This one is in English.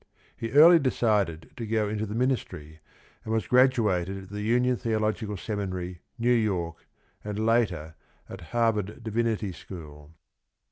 He early decided to go into the ministry and was graduated at Union Theological Seminary, New York, and later at Harvard Divinity School.